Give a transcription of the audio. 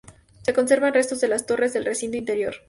Se conservan restos de las torres del recinto interior.